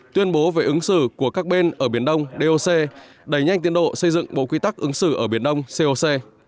tuyên bố về ứng xử của các bên ở biển đông doc đẩy nhanh tiến độ xây dựng bộ quy tắc ứng xử ở biển đông coc